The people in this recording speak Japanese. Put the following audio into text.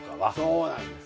そうなんです。